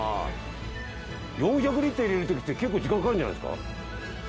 ４００リットル入れるときって結構時間かかるんじゃないですか？